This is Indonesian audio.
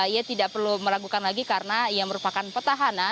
ia tidak perlu meragukan lagi karena ia merupakan petahana